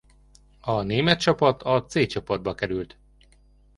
A német csapat a C csoportba került.